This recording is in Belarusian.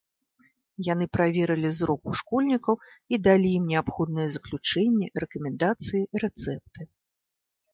Яны праверылі зрок у школьнікаў і далі ім неабходныя заключэнні, рэкамендацыі, рэцэпты.